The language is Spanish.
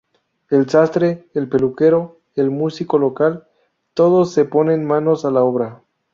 El sastre, el peluquero, el músico local, todos se ponen manos a la obra.